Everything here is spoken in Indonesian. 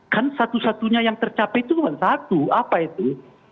kan satu satunya yang tercapai itu bukan satu apa itu